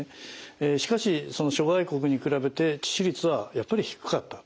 しかしその諸外国に比べて致死率はやっぱり低かった。